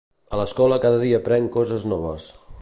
A l'escola cada dia aprenc coses noves